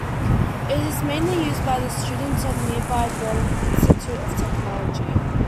It is mainly used by the students of the nearby Berlin Institute of Technology.